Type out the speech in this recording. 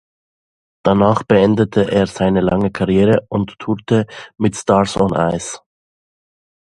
Danach beendete er seine lange Karriere und tourte mit Stars on Ice.